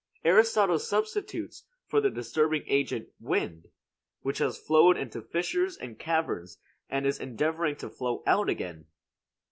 Aristotle substitutes for the disturbing agent wind, which has flowed into fissures and caverns and is endeavoring to flow out again.